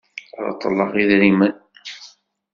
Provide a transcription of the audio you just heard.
Reṭṭleɣ idrimen.